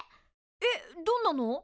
えっどんなの？